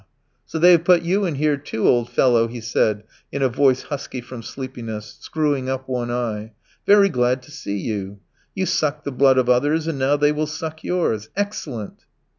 so they have put you in here, too, old fellow?" he said in a voice husky from sleepiness, screwing up one eye. "Very glad to see you. You sucked the blood of others, and now they will suck yours. Excellent!"